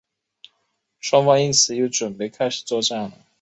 双方因此又准备开始作战了。